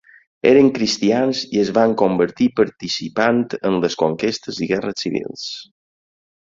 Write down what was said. Eren cristians i es van convertir participant en les conquestes i guerres civils.